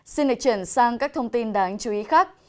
xin được chuyển sang các thông tin đáng chú ý khác